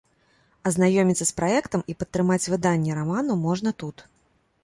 Азнаёміцца з праектам і падтрымаць выданне раману можна тут.